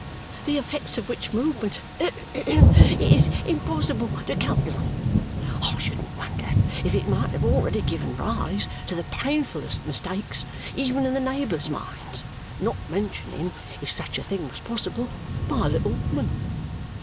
The effects of which movement it is impossible to calculate. I shouldn't wonder if it might have already given rise to the painfullest mistakes even in the neighbours' minds, not mentioning (if such a thing was possible) my little woman.